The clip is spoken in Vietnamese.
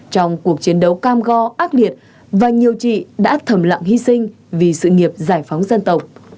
trong cuộc chiến đấu cam go ác liệt và nhiều chị đã thầm lặng hy sinh vì sự nghiệp giải phóng dân tộc